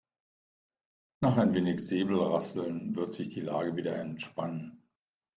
Nach ein wenig Säbelrasseln wird sich die Lage wieder entspannen.